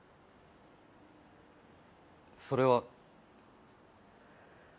それは。